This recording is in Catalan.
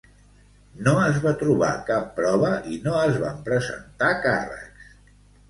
No es va trobar cap prova i no es van presentar càrrecs.